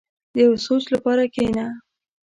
• د یو سوچ لپاره کښېنه.